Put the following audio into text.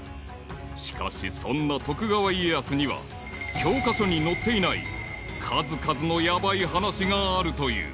［しかしそんな徳川家康には教科書に載っていない数々のヤバい話があるという］